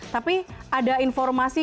tapi ada informasi